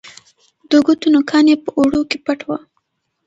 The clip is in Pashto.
د ګوتو نوکان یې په اوړو کې پټ وه